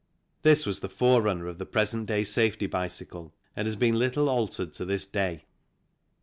This was the forerunner of the present day safety bicycle and has been little altered to this day.